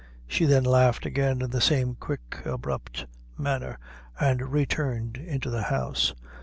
She then laughed again in the same quick, abrupt manner, and returned into the house.